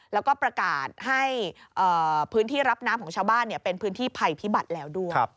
แล้วก็ประกาศให้พื้นที่รับน้ำของชาวบ้านเป็นพื้นที่ภัยพิบัติแล้วด้วย